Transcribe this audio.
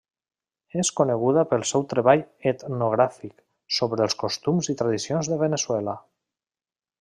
És coneguda pel seu treball etnogràfic sobre els costums i tradicions de Veneçuela.